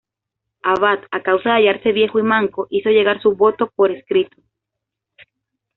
Abad a causa de hallarse viejo y manco, hizo llegar su voto por escrito.